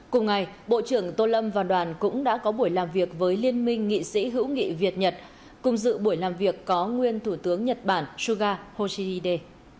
cùng ngày bộ trưởng tô lâm và đoàn cũng đã có buổi làm việc với liên minh nghị sĩ hữu nghị việt nhật cùng dự buổi làm việc có nguyên thủ tướng nhật bản suga yoshihide